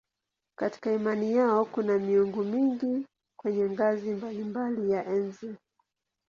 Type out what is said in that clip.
Katika imani yao kuna miungu mingi kwenye ngazi mbalimbali ya enzi.